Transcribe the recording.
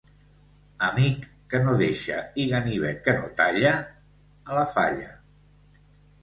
Amic que no deixa i ganivet que no talla... a la falla.